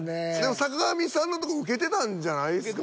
坂上さんのとこウケてたんじゃないですか。